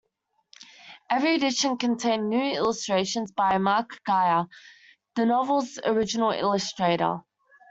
Every edition contained new illustrations by Mark Geyer, the novel's original illustrator.